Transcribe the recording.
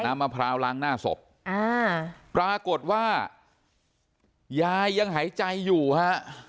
กำลังมาพ่อลงหน้าศพอ้าวพรากดว่ายายยังหายใจอยู่ฮะ